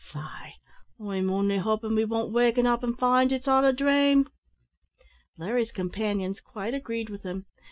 Faix, I'm only hopin' we won't waken up an' find it's all a dhrame!" Larry's companions quite agreed with him.